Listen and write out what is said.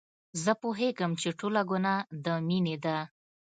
زه پوهېږم چې ټوله ګناه د مينې ده.